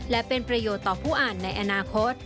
และเป็นประโยชน์ต่อผู้อ่านในอนาคต